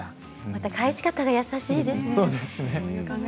返し方が優しいですね。